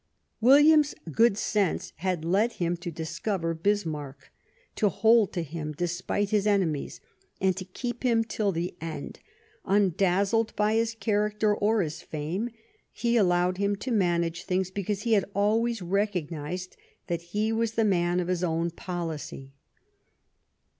William's good sense had led him to discover Bis marck, to hold to him despite his enemies and to keep him till the end, undazzled by his character or his fame ; he allowed him to manage things because he had always recognized that he was the man of his own policy.